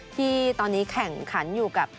ที่ตอนนี้แข่งขันอยู่กับ